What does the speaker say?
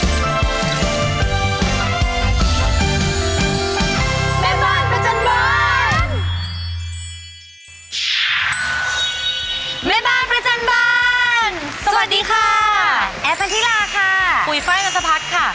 สวัสดีค่ะแอร์ฟันธิราค่ะกุยไฟรัสภัทรค่ะ